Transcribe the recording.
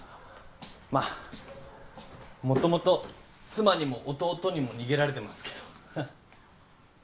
まあもともと妻にも弟にも逃げられてますけどははっ。